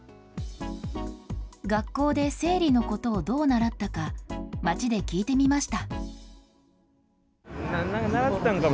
学校で生理のことをどう習ったか、街で聞いてみました。